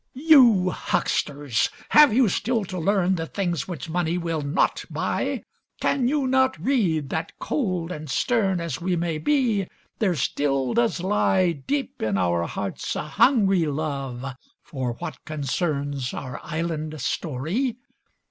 You hucksters, have you still to learn, The things which money will not buy? Can you not read that, cold and stern As we may be, there still does lie Deep in our hearts a hungry love For what concerns our island story?